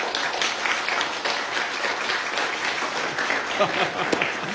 ハハハハ。